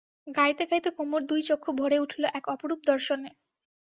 গাইতে গাইতে কুমুর দুই চক্ষু ভরে উঠল এক অপরূপ দর্শনে।